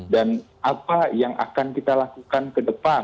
dan apa yang akan kita lakukan ke depan